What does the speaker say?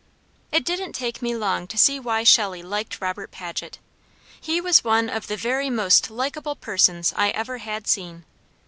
It didn't take me long to see why Shelley liked Robert Paget. He was one of the very most likeable persons I ever had seen.